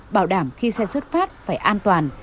bảo đảm khi xe xuất phát phải an toàn